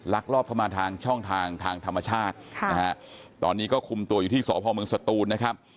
ลอบเข้ามาทางช่องทางทางธรรมชาตินะฮะตอนนี้ก็คุมตัวอยู่ที่สพเมืองสตูนนะครับ